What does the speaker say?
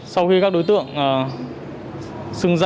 sau khi các đối tượng đi vào buổi đêm thì chúng ta nên hết sức cảnh giác